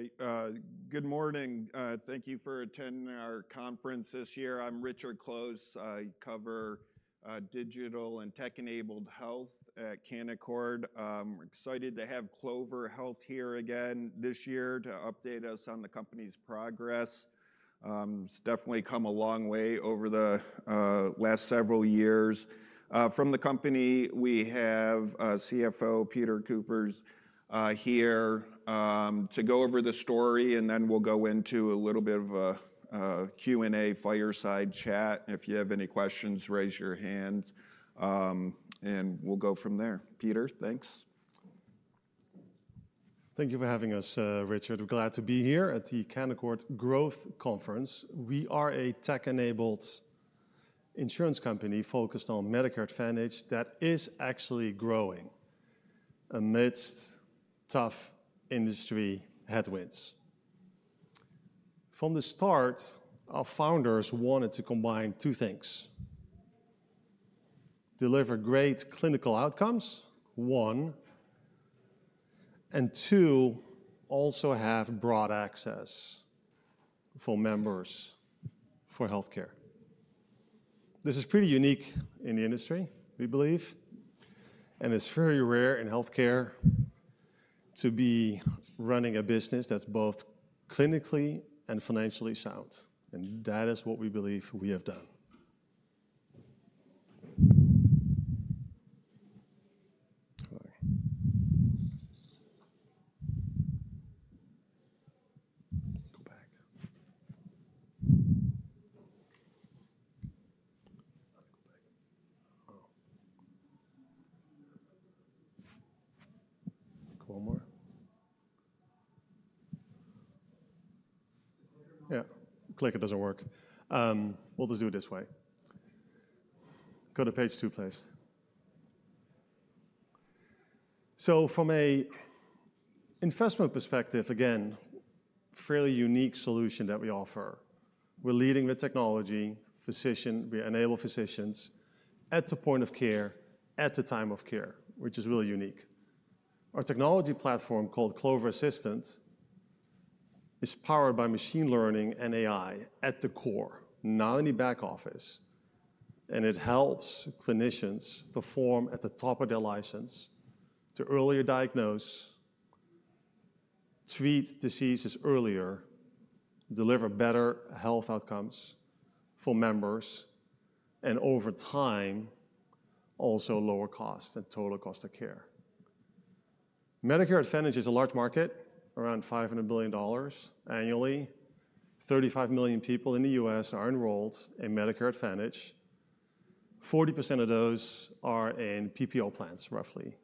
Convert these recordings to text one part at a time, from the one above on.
Great. Good morning. Thank you for attending our conference this year. I'm Richard Close. I cover digital and tech-enabled health at Canaccord. Excited to have Clover Health here again this year to update us on the company's progress. It's definitely come a long way over the last several years. From the company, we have CFO Peter Kuipers here to go over the story, and then we'll go into a little bit of a Q&A fireside chat. If you have any questions, raise your hands, and we'll go from there. Peter, thanks. Thank you for having us, Richard. Glad to be here at the Canaccord Growth Conference. We are a tech-enabled insurance company focused on Medicare Advantage that is actually growing amidst tough industry headwinds. From the start, our founders wanted to combine two things: deliver great clinical outcomes, one, and two, also have broad access for members for healthcare. This is pretty unique in the industry, we believe, and it's very rare in healthcare to be running a business that's both clinically and financially sound. That is what we believe we have done. Click, it doesn't work. We'll just do it this way. Go to page two, please. From an investment perspective, again, a fairly unique solution that we offer. We're leading the technology, physician, we enable physicians at the point of care, at the time of care, which is really unique. Our technology platform called Clover Assistant is powered by machine learning and AI at the core, not any back office. It helps clinicians perform at the top of their license to earlier diagnose, treat diseases earlier, deliver better health outcomes for members, and over time, also lower costs and total cost of care. Medicare Advantage is a large market, around $500 billion annually. 35 million people in the U.S. are enrolled in Medicare Advantage. 40% of those are in PPO plans, roughly.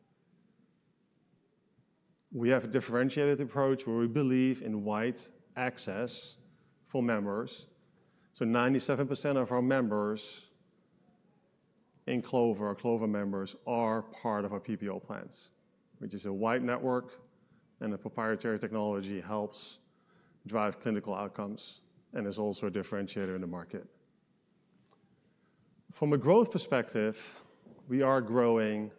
We have a differentiated approach where we believe in wide access for members. 97% of our Clover members are part of our PPO plans, which is a wide network, and the proprietary technology helps drive clinical outcomes and is also a differentiator in the market. From a growth perspective, we are growing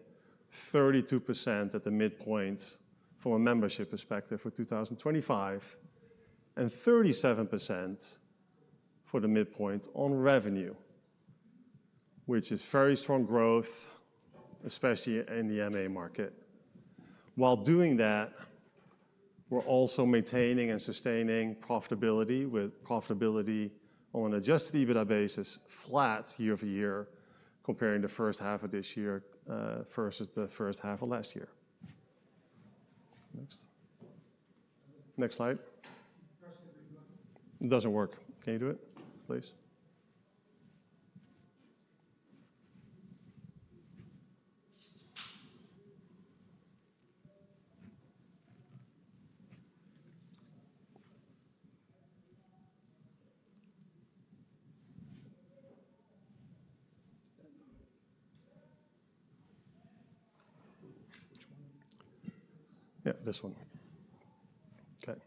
32% at the midpoint from a membership perspective for 2025, and 37% for the midpoint on revenue, which is very strong growth, especially in the MA market. While doing that, we're also maintaining and sustaining profitability with profitability on an adjusted EBITDA basis, flat year over year, comparing the first half of this year versus the first half of last year. Next slide. It doesn't work. Can you do it, please? Yeah, this one. Okay.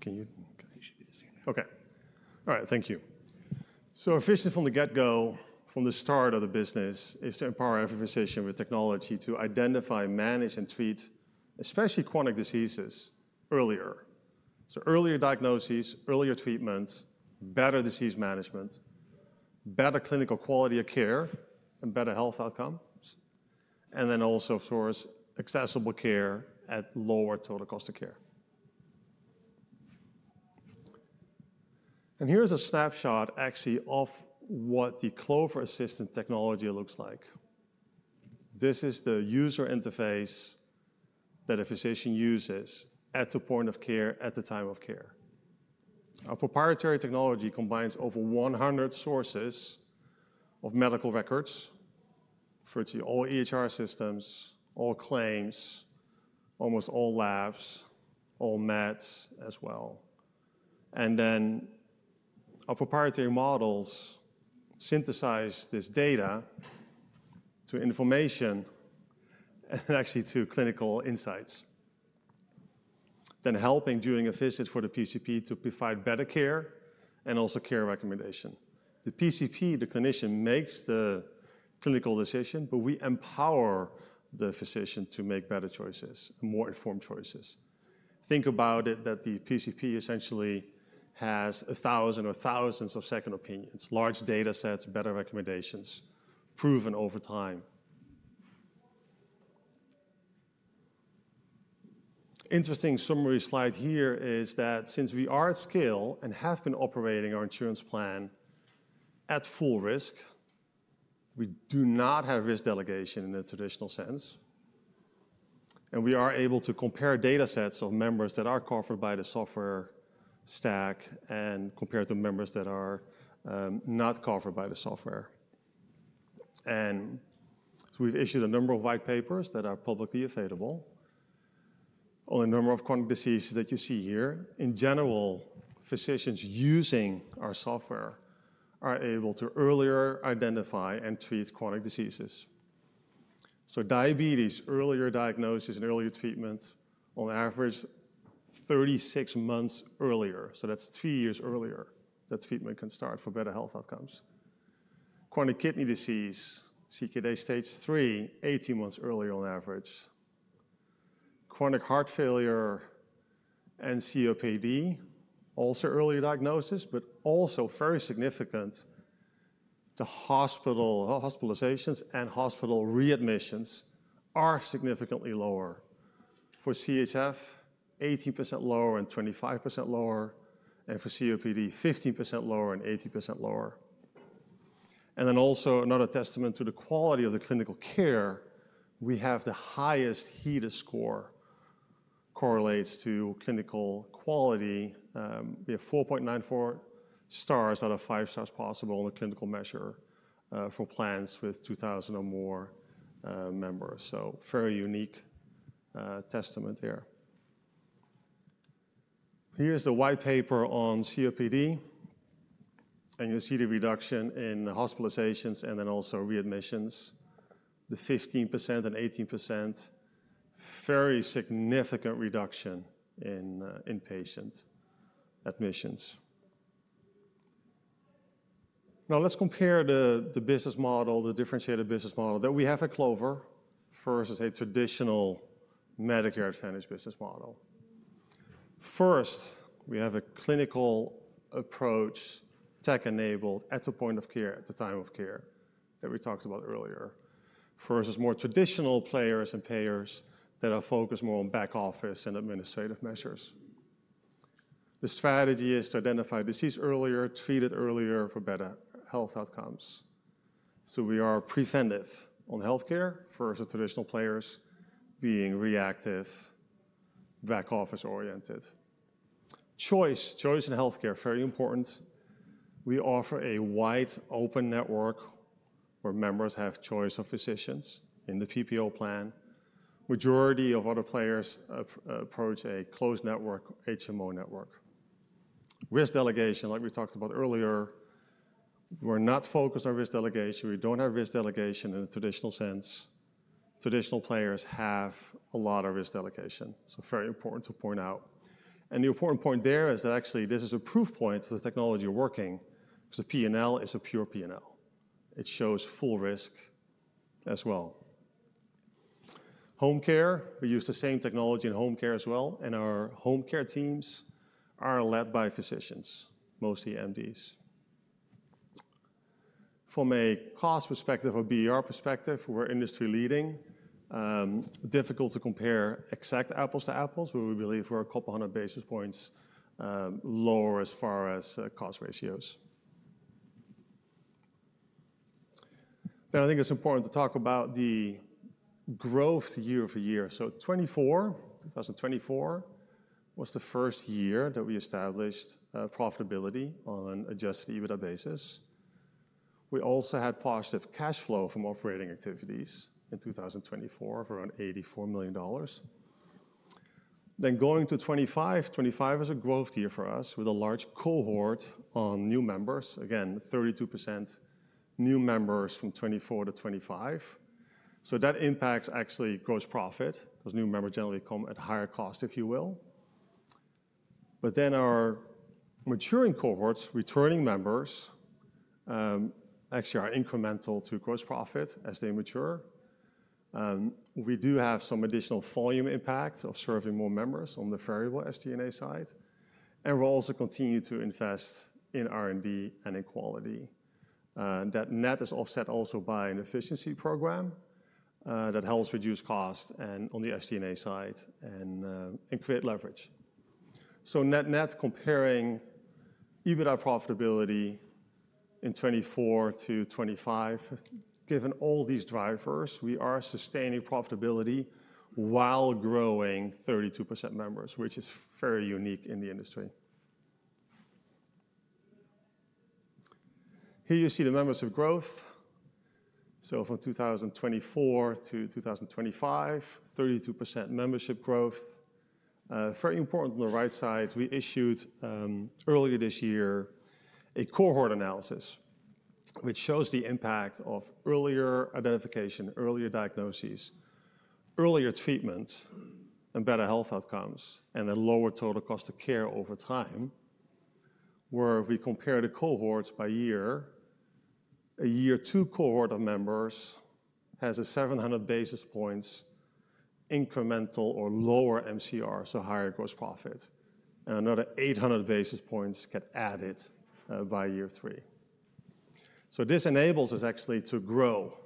Can you, okay, it should be the same. All right. Thank you. Efficient from the get-go, from the start of the business, is empowering every physician with technology to identify, manage, and treat especially chronic diseases earlier. Earlier diagnoses, earlier treatments, better disease management, better clinical quality of care, and better health outcomes. Also, of course, accessible care at lower total cost of care. Here's a snapshot actually of what the Clover Assistant technology looks like. This is the user interface that a physician uses at the point of care, at the time of care. Our proprietary technology combines over 100 sources of medical records for all EHR systems, all claims, almost all labs, all meds as well. Our proprietary models synthesize this data to information and actually to clinical insights, helping during a visit for the PCP to provide better care and also care recommendation. The PCP, the clinician, makes the clinical decision, but we empower the physician to make better choices and more informed choices. Think about it that the PCP essentially has a thousand or thousands of second opinions, large data sets, better recommendations, proven over time. An interesting summary slide here is that since we are at scale and have been operating our insurance plan at full risk, we do not have risk delegation in the traditional sense. We are able to compare data sets of members that are covered by the software stack and compare to members that are not covered by the software. We have issued a number of white papers that are publicly available on a number of chronic diseases that you see here. In general, physicians using our software are able to earlier identify and treat chronic diseases. Diabetes, earlier diagnosis and earlier treatment, on average 36 months earlier. That's three years earlier that treatment can start for better health outcomes. Chronic kidney disease, CKD stage 3, 18 months earlier on average. Chronic heart failure and COPD, also earlier diagnosis, but also very significant. The hospital, hospitalizations and hospital readmissions are significantly lower. For CHF, 18% lower and 25% lower, and for COPD, 15% lower and 18% lower. Another testament to the quality of the clinical care, we have the highest HEDIS score correlates to clinical quality. We have 4.94 stars out of five stars possible in the clinical measure, for plans with 2,000 or more members. Very unique, testament there. Here's the white paper on COPD. You'll see the reduction in hospitalizations and also readmissions. The 15% and 18%, very significant reduction in inpatient admissions. Now let's compare the business model, the differentiated business model that we have at Clover versus a traditional Medicare Advantage business model. First, we have a clinical approach, tech-enabled, at the point of care, at the time of care that we talked about earlier, versus more traditional players and payers that are focused more on back office and administrative measures. The strategy is to identify disease earlier, treat it earlier for better health outcomes. We are preventive on healthcare, versus traditional players being reactive, back office-oriented. Choice, choice in healthcare, very important. We offer a wide open network where members have choice of physicians in the PPO plan. The majority of other players approach a closed network, HMO network. Risk delegation, like we talked about earlier, we're not focused on risk delegation. We don't have risk delegation in the traditional sense. Traditional players have a lot of risk delegation. Very important to point out. The important point there is that actually this is a proof point for the technology working because the P&L is a pure P&L. It shows full risk as well. Home care, we use the same technology in home care as well, and our home care teams are led by physicians, mostly MDs. From a cost perspective or BER perspective, we're industry leading. Difficult to compare exact apples to apples, but we believe we're a couple hundred basis points lower as far as cost ratios. I think it's important to talk about the growth year over year. 2024 was the first year that we established profitability on an adjusted EBITDA basis. We also had positive cash flow from operating activities in 2024 for around $84 million. Going to 2025, 2025 is a growth year for us with a large cohort on new members. Again, 32% new members from 2024 to 2025. That impacts actually gross profit because new members generally come at higher cost, if you will. Our maturing cohorts, returning members, actually are incremental to gross profit as they mature. We do have some additional volume impact of serving more members on the variable SG&A side. We'll also continue to invest in R&D and in quality. That net is offset also by an efficiency program that helps reduce cost on the SG&A side and create leverage. Net net, comparing EBITDA profitability in 2024 to 2025, given all these drivers, we are sustaining profitability while growing 32% members, which is very unique in the industry. Here you see the membership growth. From 2024 to 2025, 32% membership growth. Very important, on the right side, we issued earlier this year a cohort analysis, which shows the impact of earlier identification, earlier diagnoses, earlier treatment, and better health outcomes, and a lower total cost of care over time. Where we compare the cohorts by year, a year two cohort of members has a 700 basis points incremental or lower MCR, so higher gross profit, and another 800 basis points get added by year three. This enables us actually to grow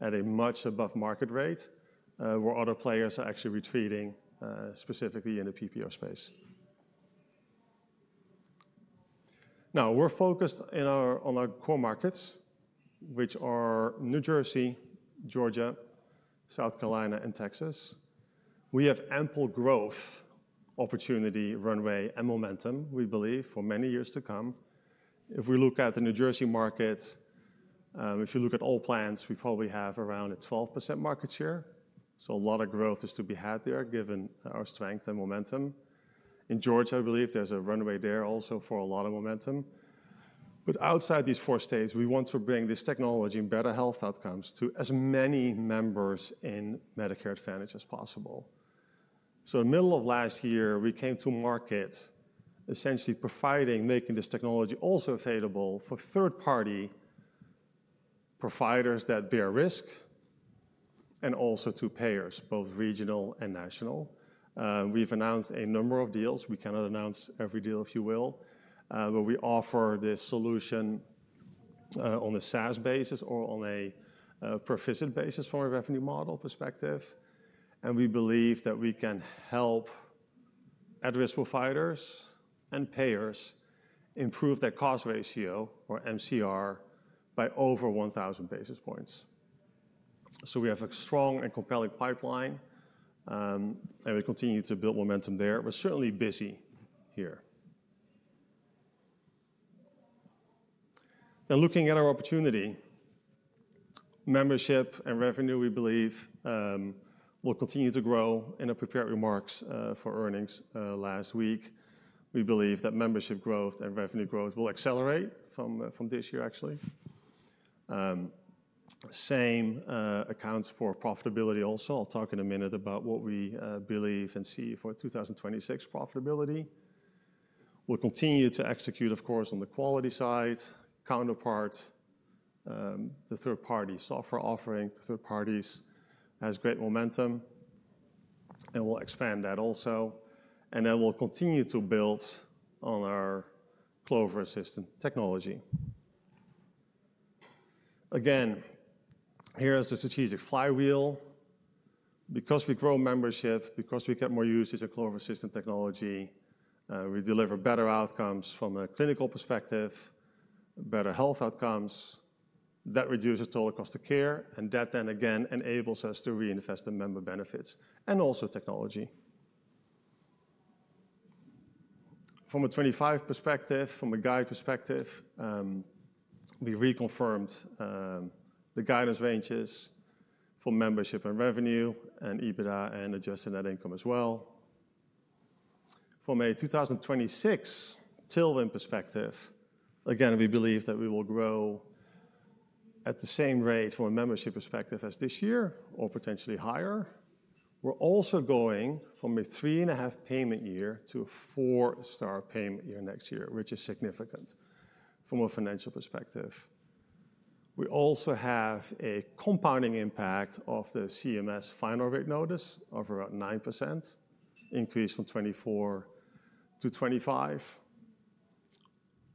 at a much above market rate, where other players are actually retreating, specifically in the PPO space. Now we're focused on our core markets, which are New Jersey, Georgia, South Carolina, and Texas. We have ample growth opportunity, runway, and momentum, we believe, for many years to come. If we look at the New Jersey market, if you look at all plans, we probably have around a 12% market share. A lot of growth is to be had there, given our strength and momentum. In Georgia, I believe there's a runway there also for a lot of momentum. Outside these four states, we want to bring this technology and better health outcomes to as many members in Medicare Advantage as possible. In the middle of last year, we came to market essentially providing, making this technology also available for third-party providers that bear risk and also to payers, both regional and national. We've announced a number of deals. We cannot announce every deal, if you will, where we offer this solution on a SaaS basis or on a proficient basis from a revenue model perspective. We believe that we can help at-risk providers and payers improve their cost ratio or MCR by over 1,000 basis points. We have a strong and compelling pipeline, and we continue to build momentum there. We're certainly busy here. Looking at our opportunity, membership and revenue, we believe, will continue to grow. I prepared remarks for earnings last week. We believe that membership growth and revenue growth will accelerate from this year, actually. Same accounts for profitability also. I'll talk in a minute about what we believe and see for 2026 profitability. We'll continue to execute, of course, on the quality side. Counterpart, the third-party software offering, the third parties, has great momentum. We'll expand that also. We'll continue to build on our Clover Assistant technology. Again, here is the strategic flywheel. Because we grow membership, because we get more usage of Clover Assistant technology, we deliver better outcomes from a clinical perspective, better health outcomes. That reduces total cost of care, and that then again enables us to reinvest in member benefits and also technology. From a 2025 perspective, from a guide perspective, we reconfirmed the guidance ranges for membership and revenue and EBITDA and adjusted net income as well. From a 2026 till win perspective, again, we believe that we will grow at the same rate from a membership perspective as this year, or potentially higher. We're also going from a 3.5 payment year to a 4-star payment year next year, which is significant from a financial perspective. We also have a compounding impact of the CMS final rate notice of around 9% increase from 2024 to 2025.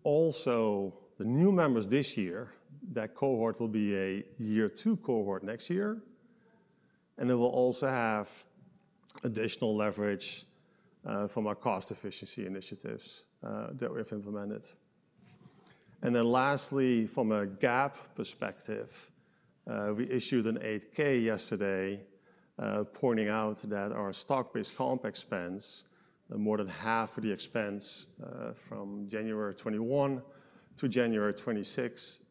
Also, the new members this year, that cohort will be a year two cohort next year. It will also have additional leverage from our cost efficiency initiatives that we have implemented. Lastly, from a GAAP perspective, we issued an Form 8-K yesterday, pointing out that our stock-based comp expense, more than half of the expense from January 2021 to January 2026,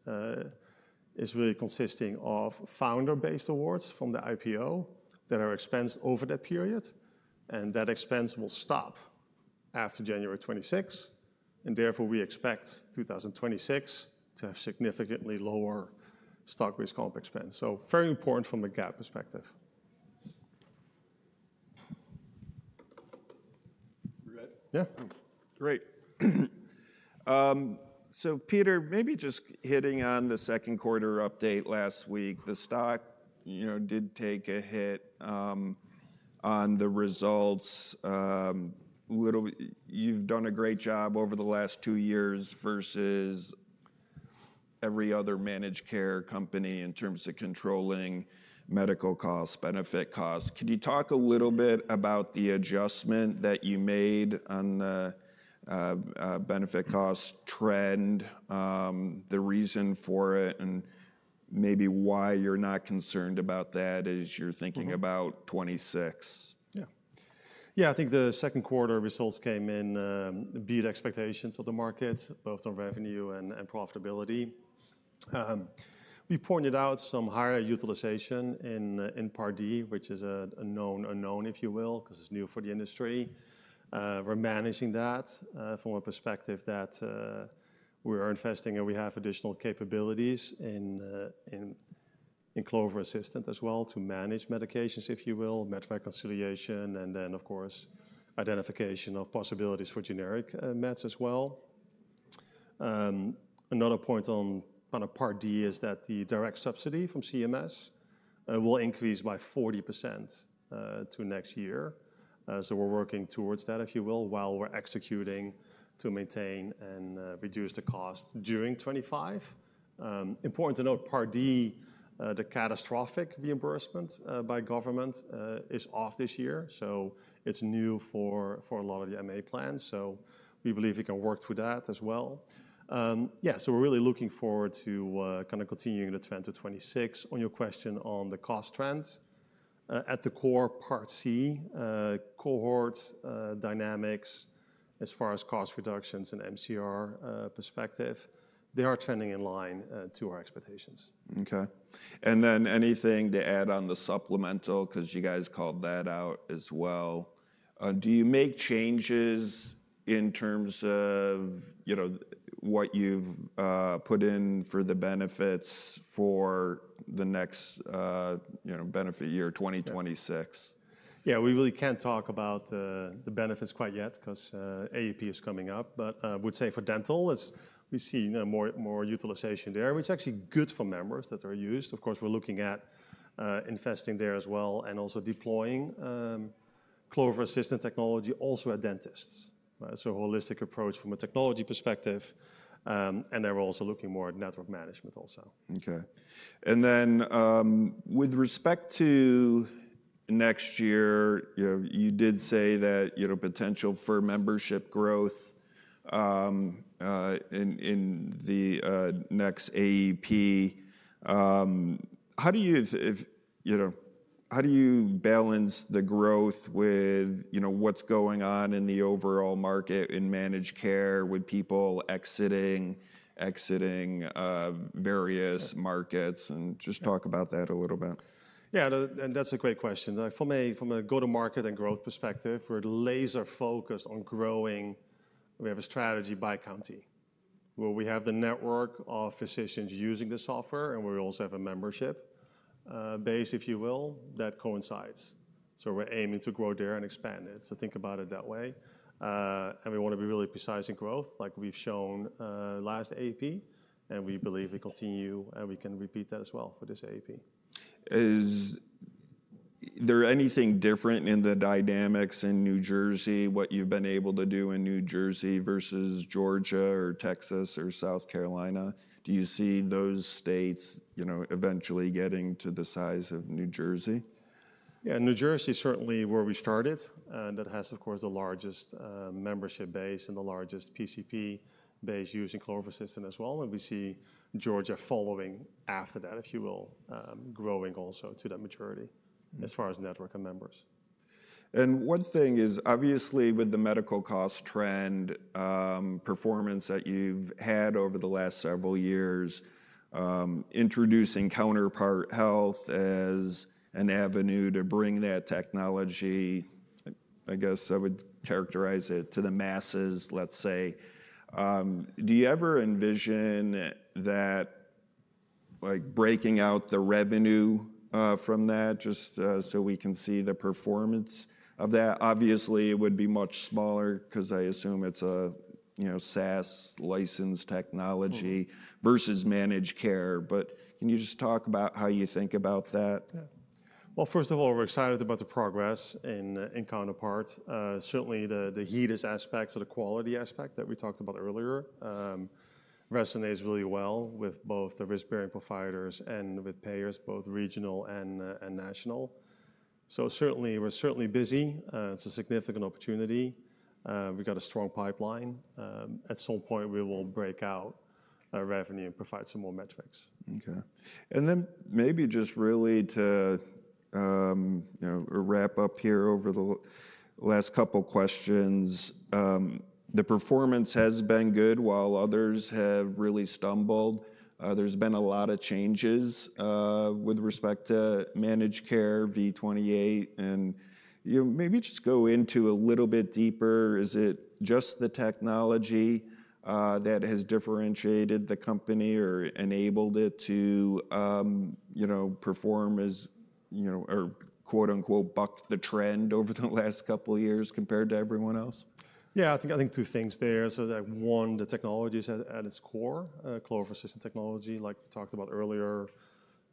is really consisting of founder-based awards from the IPO that are expensed over that period. That expense will stop after January 2026. Therefore, we expect 2026 to have significantly lower stock-based comp expense. Very important from a GAAP perspective. Yeah. Yeah. Great. Peter, maybe just hitting on the Q2 update last week, the stock did take a hit on the results. You've done a great job over the last two years versus every other managed care company in terms of controlling medical costs, benefit costs. Can you talk a little bit about the adjustment that you made on the benefit cost trend, the reason for it, and maybe why you're not concerned about that as you're thinking about 2026? Yeah. Yeah, I think the second quarter results came in, beat expectations of the markets, both on revenue and profitability. We pointed out some higher utilization in Part D, which is a known unknown, if you will, because it's new for the industry. We're managing that from a perspective that we're investing and we have additional capabilities in Clover Assistant as well to manage medications, if you will, med reconciliation, and then, of course, identification of possibilities for generic meds as well. Another point on Part D is that the direct subsidy from CMS will increase by 40% to next year. We're working towards that, if you will, while we're executing to maintain and reduce the cost during 2025. Important to note Part D, the catastrophic reimbursement by government, is off this year. It's new for a lot of the MA plans. We believe you can work through that as well. Yeah, we're really looking forward to kind of continuing the trend to 2026. On your question on the cost trends, at the core Part C cohorts, dynamics as far as cost reductions and MCR perspective, they are trending in line to our expectations. Okay. Anything to add on the supplemental, because you guys called that out as well? Do you make changes in terms of what you've put in for the benefits for the next benefit year 2026? Yeah, we really can't talk about the benefits quite yet because AEP is coming up. I would say for dental, we see more utilization there, which is actually good for members that are used. Of course, we're looking at investing there as well and also deploying Clover Assistant technology also at dentists. A holistic approach from a technology perspective, and they're also looking more at network management also. Okay. With respect to next year, you did say that, you know, potential for membership growth in the next AEP. How do you, if, you know, how do you balance the growth with what's going on in the overall market in managed care with people exiting various markets and just talk about that a little bit. Yeah, that's a great question. From a go-to-market and growth perspective, we're laser focused on growing. We have a strategy by county where we have the network of physicians using the software, and we also have a membership base, if you will, that coincides. We're aiming to grow there and expand it. Think about it that way. We want to be really precise in growth, like we've shown last AEP. We believe we continue and we can repeat that as well for this AEP. Is there anything different in the dynamics in New Jersey, what you've been able to do in New Jersey versus Georgia or Texas or South Carolina? Do you see those states eventually getting to the size of New Jersey? Yeah, New Jersey is certainly where we started. It has, of course, the largest membership base and the largest PCP base using Clover Assistant as well. We see Georgia following after that, if you will, growing also to that maturity as far as network and members. One thing is obviously with the medical cost trend, performance that you've had over the last several years, introducing Counterpart Health as an avenue to bring that technology, I guess I would characterize it to the masses, let's say. Do you ever envision that, like, breaking out the revenue from that just so we can see the performance of that? Obviously, it would be much smaller because I assume it's a, you know, SaaS licensed technology versus managed care. Can you just talk about how you think about that? Yeah. First of all, we're excited about the progress in Counterpart. Certainly, the HEDIS aspects of the quality aspect that we talked about earlier resonate really well with both the risk-bearing providers and with payers, both regional and national. We're certainly busy. It's a significant opportunity. We've got a strong pipeline. At some point, we will break out our revenue and provide some more metrics. Okay. Maybe just really to wrap up here over the last couple of questions, the performance has been good while others have really stumbled. There's been a lot of changes with respect to managed care, V28. Maybe just go into a little bit deeper. Is it just the technology that has differentiated the company or enabled it to, you know, perform as, you know, or quote unquote bucked the trend over the last couple of years compared to everyone else? I think two things there. One, the technology is at its core, Clover Assistant technology, like we talked about earlier,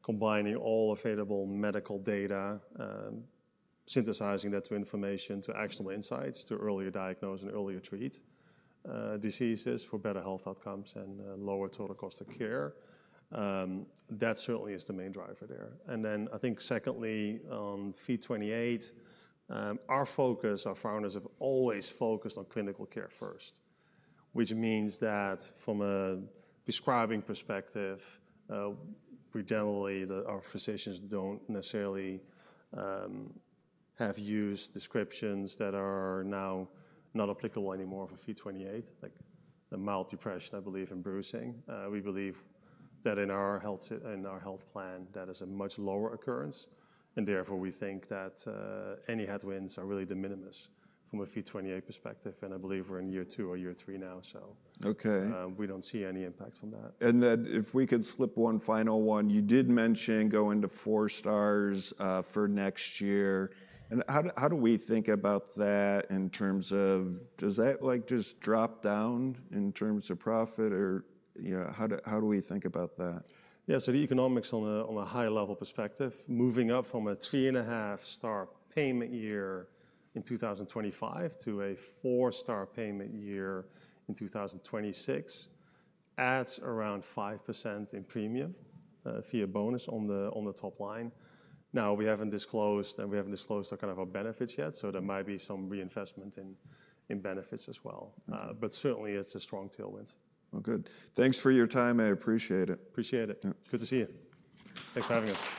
combining all available medical data, synthesizing that information to actionable insights to earlier diagnose and earlier treat diseases for better health outcomes and lower total cost of care. That certainly is the main driver there. Secondly, on V28, our focus, our founders have always focused on clinical care first, which means that from a prescribing perspective, we generally, our physicians don't necessarily have used descriptions that are now not applicable anymore for V28, like the mild depression, I believe, and bruising. We believe that in our health plan, that is a much lower occurrence. Therefore, we think that any headwinds are really de minimis from a V28 perspective. I believe we're in year two or year three now. We don't see any impact from that. If we could slip one final one, you did mention going to four stars for next year. How do we think about that in terms of, does that just drop down in terms of profit or, you know, how do we think about that? Yeah, so the economics on a high level perspective, moving up from a 3.5-star payment year in 2025 to a 4-star payment year in 2026, adds around 5% in premium, fee or bonus on the top line. Now we haven't disclosed, and we haven't disclosed our kind of our benefits yet. There might be some reinvestment in benefits as well. Certainly it's a strong tailwind. Thank you for your time. I appreciate it. Appreciate it. Good to see you. Thanks for having us.